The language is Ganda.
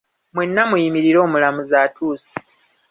Mwenna muyimirire omulamuzi atuuse.